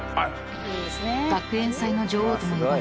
［学園祭の女王とも呼ばれた月９